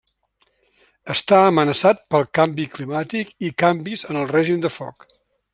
Està amenaçat pel canvi climàtic i canvis en el règim de foc.